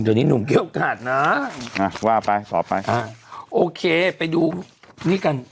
ตอนนี้หนุ่มเคลียร์โอกาสนะอ่ะว่าไปสอบไปอ่ะโอเคไปดูนี่กัน